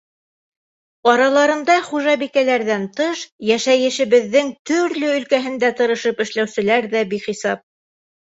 Араларында, хужабикәләрҙән тыш, йәшәйешебеҙҙең төрлө өлкәһендә тырышып эшләүселәр ҙә бихисап.